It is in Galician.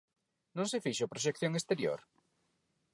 ¿Non se fixo proxección exterior?